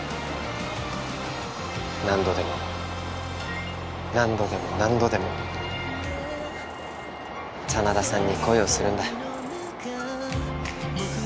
何度でも何度でも何度でも真田さんに恋をするんだ。